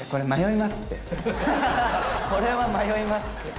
ハハハこれは迷いますって。